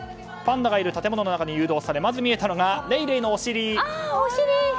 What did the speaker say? パンダがいる建物に誘導されまず見えたのがレイレイのお尻。